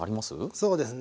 そうですね。